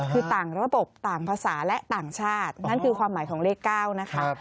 คือต่างระบบต่างภาษาและต่างชาตินั่นคือความหมายของเลข๙นะคะ